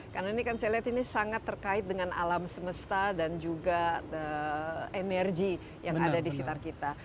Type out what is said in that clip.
karena ini kan saya lihat ini sangat terkait dengan alam semesta dan juga energi yang ada di sekitar kita